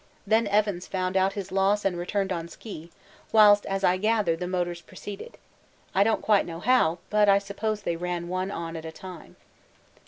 Then Evans found out his loss and returned on ski, whilst, as I gather, the motors proceeded; I don't quite know how, but I suppose they ran one on at a time.